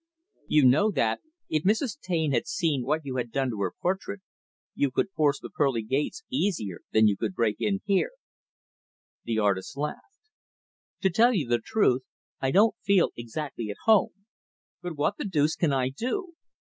You know that if Mrs. Taine had seen what you have done to her portrait, you could force the pearly gates easier than you could break in here." The artist laughed. "To tell the truth, I don't feel exactly at home. But what the deuce can I do?